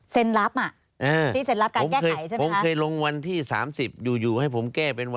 เซ็นรับนะ